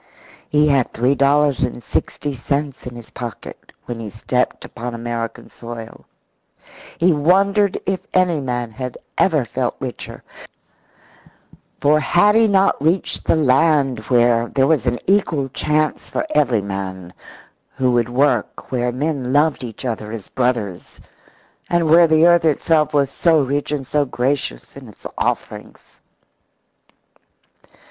He had three dollars and sixty cents in his pocket when he stepped upon American soil. He wondered if any man had ever felt richer. For had he not reached the land where there was an equal chance for every man who would work, where men loved each other as brothers, and where the earth itself was so rich and so gracious in its offerings?